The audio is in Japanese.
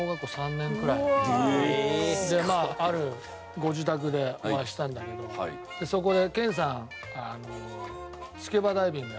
あるご自宅でお会いしたんだけどそこで。